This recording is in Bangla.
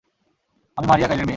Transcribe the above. আমি মারিয়া কাইলের মেয়ে।